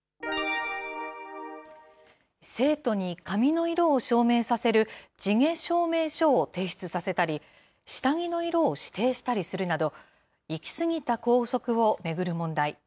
生徒に髪の色を証明させる地毛証明書を提出させたり、下着の色を指定したりするなど、行きすぎた校則を巡る問題。